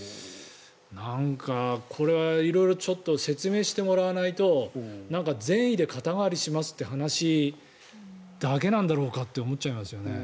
なんか、これは色々ちょっと説明してもらわないと善意で肩代わりしますという話だけなんだろうかと思っちゃいますよね。